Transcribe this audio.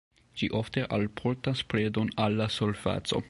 Ĝi ofte alportas predon al la surfaco.